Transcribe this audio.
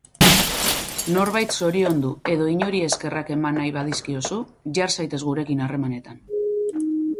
Norbait zoriondu edo inori eskerrak eman nahi badizkiozu, jar zaitez gurekin harremanetan.